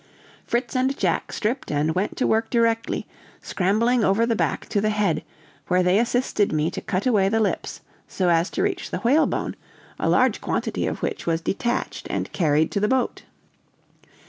Fritz and Jack stripped, and went to work directly, scrambling over the back to the head, where they assisted me to cut away the lips, so as to reach the whalebone, a large quantity of which was detached and carried to the boat.